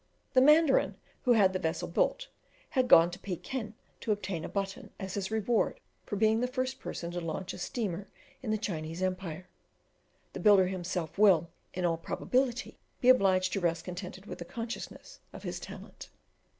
The mandarin who had the vessel built, had gone to Pekin to obtain a "button" as his reward for being the first person to launch a steamer in the Chinese empire. The builder himself will, in all probability, be obliged to rest contented with the consciousness of his talent.